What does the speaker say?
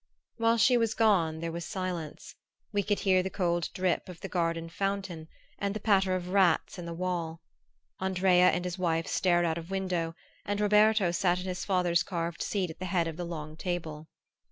While she was gone there was silence. We could hear the cold drip of the garden fountain and the patter of rats in the wall. Andrea and his wife stared out of window and Roberto sat in his father's carved seat at the head of the long table.